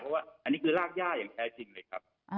เพราะว่าอันนี้คือรากย่าอย่างแท้จริงเลยครับ